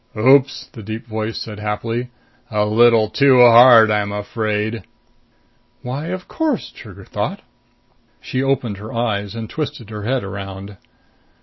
"Oops!" the deep voice said happily. "A little too hard, I'm afraid!" Why, of course, Trigger thought. She opened her eyes and twisted her head around.